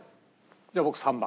じゃあ僕３番。